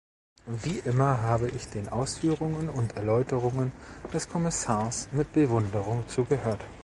Wie immer habe ich den Ausführungen und Erläuterungen des Kommissars mit Bewunderung zugehört.